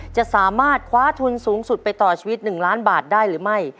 จะสามารถคว้าทุนสูงสุดไปต่อชีวิต๑ล้านบาทได้หรือไม่